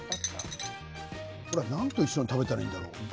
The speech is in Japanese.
何と一緒に食べたらいいんだろう？